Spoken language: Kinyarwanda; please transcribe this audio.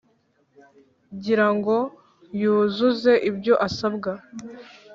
girango yuzuze ibyo asabwa